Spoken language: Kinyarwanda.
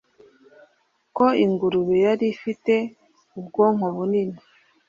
ko ingurube yari ifite ubwonko bunini